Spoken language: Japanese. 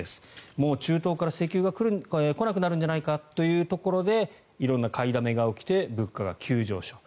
もう中東から石油が来なくなるんじゃないかというところで色んな買いだめが起きて物価が急上昇。